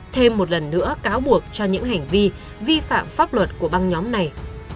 thêm một lần nữa cáo buộc cho những hành vi vi phạm pháp luật của băng nhóm này